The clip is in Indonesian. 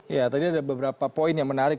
ya tadi ada beberapa poin yang menarik